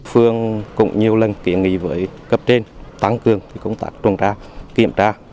phương cũng nhiều lần kiến nghị với cấp trên tăng cường công tác trung ra kiểm tra